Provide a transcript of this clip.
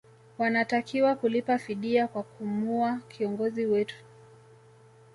wanatakiwa kulipa fidia kwa kumua kiongozi wetu